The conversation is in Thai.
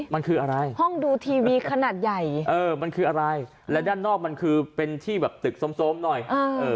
มันคืออะไรห้องดูทีวีขนาดใหญ่เออมันคืออะไรและด้านนอกมันคือเป็นที่แบบตึกสมหน่อยเออ